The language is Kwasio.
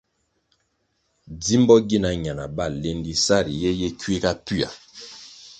Djimbo gina ñana bal lendi sa riye ye kuiga pia.